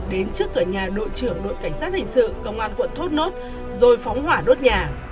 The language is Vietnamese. đến trước cửa nhà đội trưởng đội cảnh sát hình sự công an quận thốt nốt rồi phóng hỏa đốt nhà